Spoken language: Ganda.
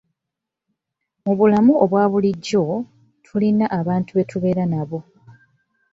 Mu bulamu obwa bulijjo, tulina abantu be tubeera nabo.